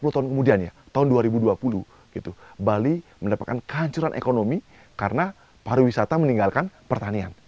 empat puluh tahun kemudian ya tahun dua ribu dua puluh bali mendapatkan kancuran ekonomi karena pariwisata meninggalkan pertanian